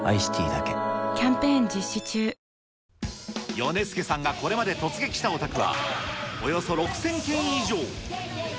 ヨネスケさんがこれまで突撃したお宅は、およそ６０００軒以上。